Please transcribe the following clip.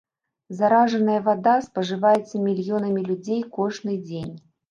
Заражаная вада спажываецца мільёнамі людзей кожны дзень.